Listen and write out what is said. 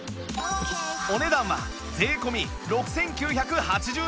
お値段は税込６９８０円